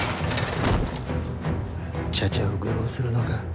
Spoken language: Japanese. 茶々を愚弄するのか。